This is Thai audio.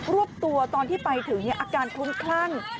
วบตัวตอนที่ไปถึงอาการคลุ้มคลั่ง